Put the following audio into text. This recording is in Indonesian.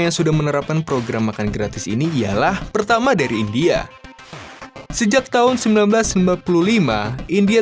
yang sudah menerapkan program makan gratis ini ialah pertama dari india sejak tahun seribu sembilan ratus sembilan puluh lima india